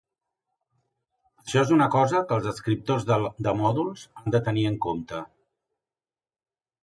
Això és una cosa que els escriptors de mòduls han de tenir en compte.